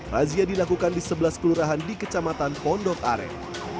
razia dilakukan di sebelah kelurahan di kecamatan pondok aren